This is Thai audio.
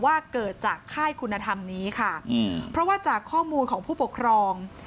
ว่าเกิดจากค่ายคุณธรรมนี้ค่ะเพราะว่าจากข้อมูลของผู้ปกครอง